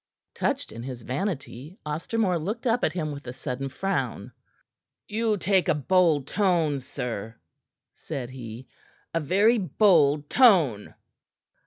Touched in his vanity, Ostermore looked up at him with a sudden frown. "You take a bold tone, sir," said he, "a very bold tone!"